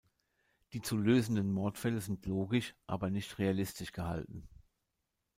Die zu lösenden Mordfälle sind logisch, aber nicht realistisch gehalten.